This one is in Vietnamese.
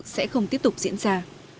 sẽ không tiếp tục diễn ra